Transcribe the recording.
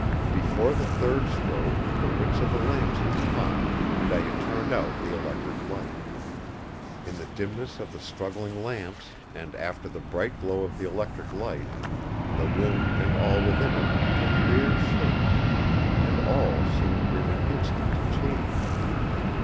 Before the third stroke the wicks of the lamps had caught, and I had turned out the electric light. In the dimness of the struggling lamps, and after the bright glow of the electric light, the room and all within it took weird shapes, and all seemed in an instant to change.